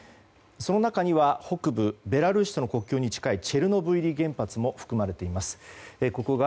その中には北部ベラルーシとの国境に近いチェルノブイリ原発も含まれています。